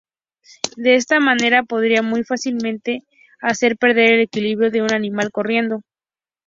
De esta manera podría muy fácilmente hacer perder el equilibrio de un animal corriendo.